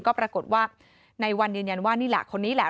ก็ปรากฏว่าในวันยืนยันว่านี่แหละคนนี้แหละ